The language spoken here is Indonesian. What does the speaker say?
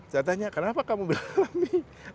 saya tanya kenapa kamu bilang alami